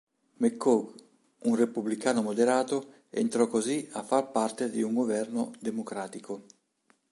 McHugh, un repubblicano moderato, entrò così a far parte di un governo democratico.